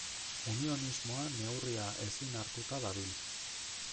Unionismoa neurria ezin hartuta dabil.